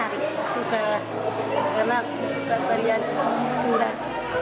suka karena aku suka tarian surat